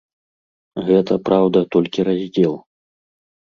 Гэта, праўда, толькі раздзел.